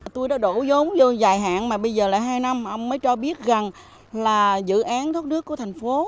tôi đã đổ giống vô dài hạn mà bây giờ lại hai năm ông mới cho biết rằng là dự án thoát nước của thành phố